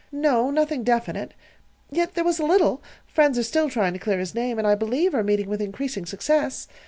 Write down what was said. "No, nothing definite. Yet there was a little. Friends are still trying to clear his name, and I believe are meeting with increasing success.